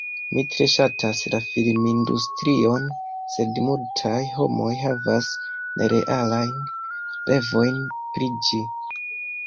Mi tre ŝatas la filmindustrion, sed multaj homoj havas nerealajn revojn pri ĝi.